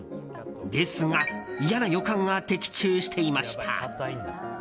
ですが、嫌な予感が的中していました。